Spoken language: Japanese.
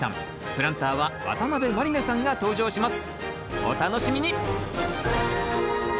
プランターは渡辺満里奈さんが登場します。